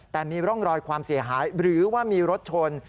แต่มีร่องรอยความเสียหายหรือว่ามีรถชน